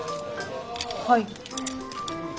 はい。